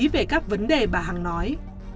về các vấn đề bà hằng nói